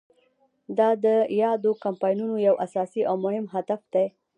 دا د یادو کمپاینونو یو اساسي او مهم هدف دی.